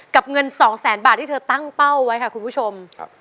เงินสองแสนบาทที่เธอตั้งเป้าไว้ค่ะคุณผู้ชม